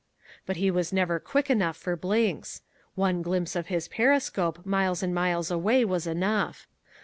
But he was never quick enough for Blinks. One glimpse of his periscope miles and miles away was enough.